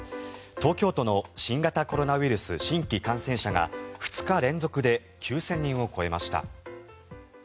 東京都の新型コロナウイルス新規感染者が２日連続で９０００人を超えました。